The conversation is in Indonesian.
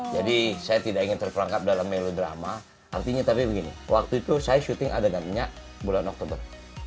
jadi saya tidak ingin terperangkap dalam melodrama artinya tapi begini waktu itu saya syuting adegan nyak bulan oktober